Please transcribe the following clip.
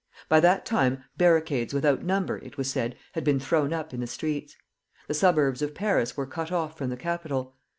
By that time barricades without number, it was said, had been thrown up in the streets. The suburbs of Paris were cut off from the capital.